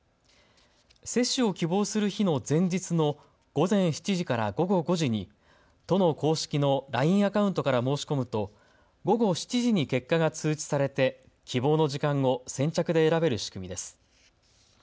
接種を希望する日の前日の午前７時から午後５時に都の公式のＬＩＮＥアカウントから申し込むと午後７時に結果が通知されて希望の時間を先着で選べる仕組みです。